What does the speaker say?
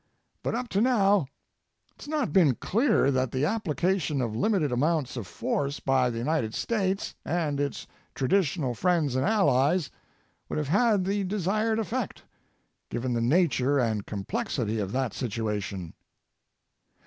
But up to now it's not been clear that the application of limited amounts of force by the United States and its traditional friends and allies would have had the desired effect, given the nature and complexity of that situation.